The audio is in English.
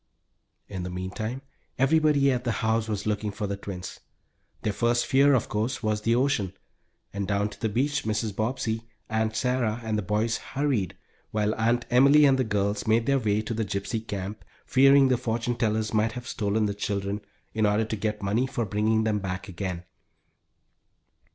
In the meantime everybody at the house was looking for the twins. Their first fear, of course, was the ocean, and down to the beach Mrs. Bobbsey, Aunt Sarah, and the boys hurried, while Aunt Emily and the girls made their way to the Gypsy Camp, fearing the fortune tellers might have stolen the children in order to get money for bringing them back again.